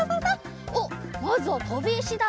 おっまずはとびいしだ。